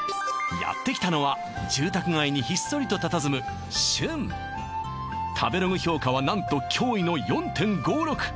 やってきたのは住宅街にひっそりとたたずむ瞬食べログ評価は何と驚異の４．５６